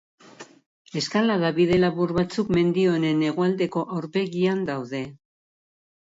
Eskalada bide labur batzuk, mendi honen hegoaldeko aurpegian daude.